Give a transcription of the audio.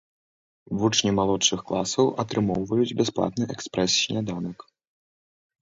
Вучні малодшых класаў атрымоўваюць бясплатны экспрэс-сняданак.